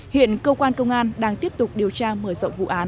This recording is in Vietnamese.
hiện công an đang tiếp tục điều tra mở rộng vụ án